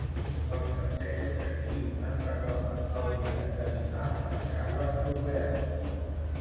Els francesos així, van reclamar el Ducat de Milà per a Carles d'Orleans.